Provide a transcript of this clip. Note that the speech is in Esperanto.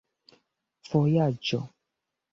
vojaĝo